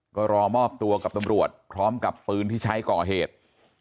ก็รอมอบตัวกับตำรวจพร้อมกับปืนที่ใช้ก่อเหตุ